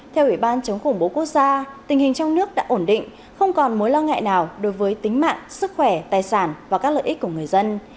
theo ủy ban chống khủng bố quốc gia tình hình trong nước đã ổn định không còn mối lo ngại nào đối với tính mạng sức khỏe tài sản và các lợi ích của người dân